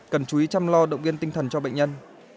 cần chú ý chăm lo động viên tinh thần cho bệnh nhân